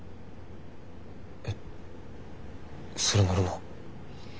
えっそれ載るの？